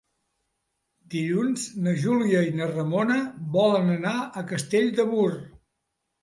Dilluns na Júlia i na Ramona volen anar a Castell de Mur.